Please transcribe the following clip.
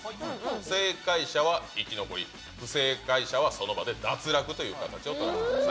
正解者は生き残り、不正解者はその場で脱落という形をとらせてください。